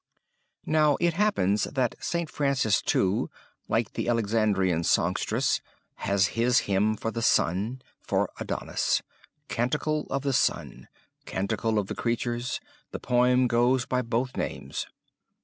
Now it happens that St. Francis, too, like the Alexandrian songstress, has his hymn for the sun, for Adonis; Canticle of the Sun, Canticle of the Creatures, the poem goes by both names.